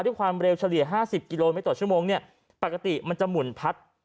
ด้วยความเร็วเฉลี่ย๕๐กิโลเมตรต่อชั่วโมงเนี่ยปกติมันจะหมุนพัด